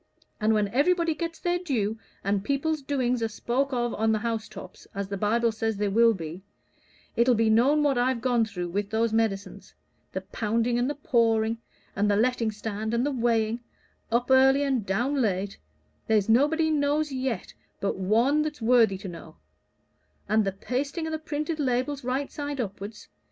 And when everybody gets their due, and people's doings are spoke of on the house tops, as the Bible says they will be, it'll be known what I've gone through with those medicines the pounding and the pouring, and the letting stand, and the weighing up early and down late there's nobody knows yet but One that's worthy to know; and the pasting o' the printed labels right side upwards.